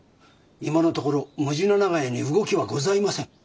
今のところむじな長屋に動きはございません。